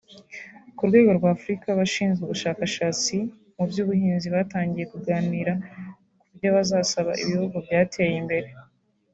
Ku rwego rw’Afurika abashinzwe ubushakashatsi mu by’ubuhinzi batangiye kuganira ku byo bazasaba ibihugu byateye imbere